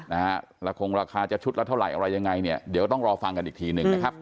ละคงราคาจะชุดละเท่าไหร่อะไรยังไงเนี่ยเดี๋ยวต้องรอฟังกันอีกทีหนึ่งนะครับ